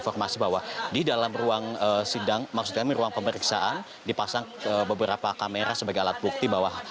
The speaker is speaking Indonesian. rizik shihab berkata